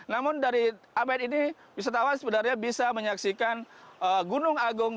namun dari abed ini wisatawan sebenarnya bisa menyaksikan gunung agung